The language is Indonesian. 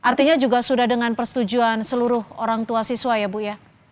artinya juga sudah dengan persetujuan seluruh orang tua siswa ya bu ya